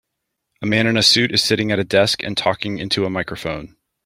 A man in a suit is sitting at a desk and talking into a microphone.